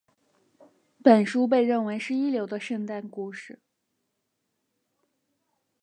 本书被认为是一流的圣诞故事。